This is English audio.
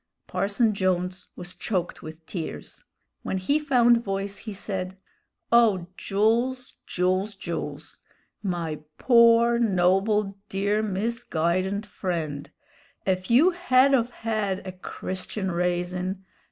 Parson Jones was choked with tears. When he found voice he said: "O Jools, Jools, Jools! my pore, noble, dear, misguidened friend! ef you hed of hed a Christian raisin'!